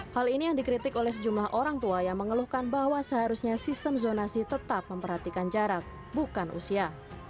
hal ini yang dikritik oleh sejumlah orang tua yang mengeluhkan bahwa seharusnya sistem zonasi tetap memperhatikan jarak bukan usia